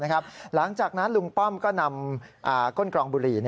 หลังจากนั้นลุงป้อมก็นำก้นกรองบุหรี่